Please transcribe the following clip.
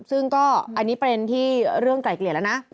ซึ่งก็อันนี้ประเด็นที่เรื่องไกลเกลี่ยแล้วนะ